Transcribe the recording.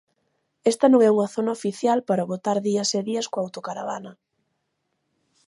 Esta non é unha zona oficial para botar días e días coa autocaravana.